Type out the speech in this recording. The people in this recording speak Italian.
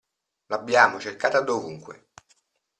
L'abbiamo cercata dovunque.